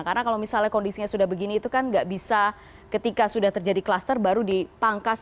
karena kalau misalnya kondisinya sudah begini itu kan gak bisa ketika sudah terjadi kluster baru dipangkas